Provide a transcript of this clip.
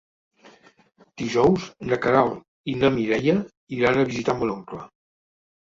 Dijous na Queralt i na Mireia iran a visitar mon oncle.